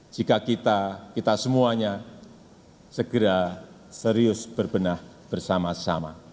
jika kita kita semuanya segera serius berbenah bersama sama